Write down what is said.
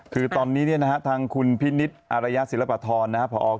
คือตอนนี้เนี่ยนะครับทางคุณพิษนิษฐ์อารยาศิลปธรณ์นะครับ